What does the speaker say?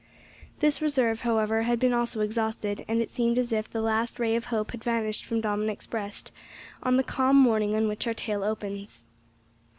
This reserve, however, had been also exhausted, and it seemed as if the last ray of hope had vanished from Dominick's breast, on the calm morning on which our tale opens.